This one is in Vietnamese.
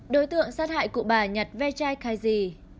đối tượng sát hại cụ bà nhật ve chai kai di